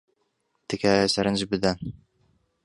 تکایە سەرنج بدەن.